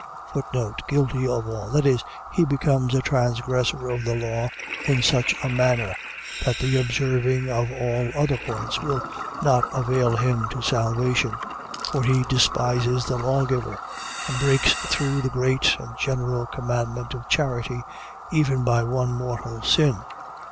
Guilty of all;. . .That is, he becomes a transgressor of the law in such a manner, that the observing of all other points will not avail him to salvation; for he despises the lawgiver, and breaks through the great and general commandment of charity, even by one mortal sin.